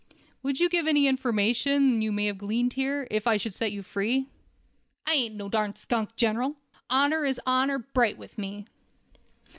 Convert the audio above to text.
"Would you give any information you may have gleaned here, if I should set you free?" "I ain't no such darn skunk, General. Honor is honor bright with me."